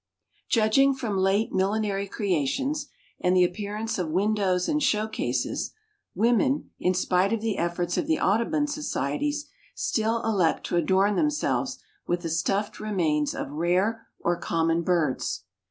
Judging from late millinery creations, and the appearance of windows and showcases, women, in spite of the efforts of the Audubon societies, still elect to adorn themselves with the stuffed remains of rare or common birds.